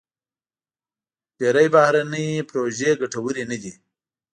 ډېری بهرني پروژې ګټورې نه دي.